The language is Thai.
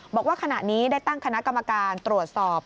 บอกว่าขณะนี้ได้ตั้งคณะกรรมการตรวจสอบ